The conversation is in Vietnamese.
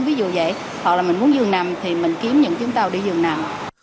ví dụ vậy hoặc là mình muốn giường nằm thì mình kiếm những chuyến tàu đi giường nằm